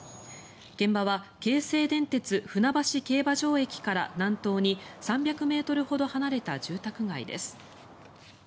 現場は京成電鉄船橋競馬場駅から南東に３００ｍほど離れた住宅街です。